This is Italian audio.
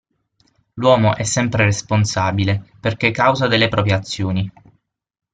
L'uomo è sempre responsabile perché causa delle proprie azioni.